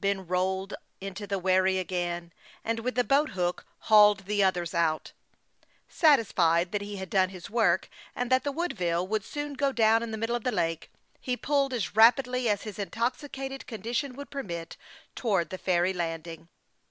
Ben rolled into the w r herry again, and with the boat hook hauled the others out. Satisfied that he had done his work, and that the Woodville would soon go down in the middle of the lake, where the water was a hundred feet deep, he pulled as rapidly as his intoxicated condition would permit towards the ferry landing.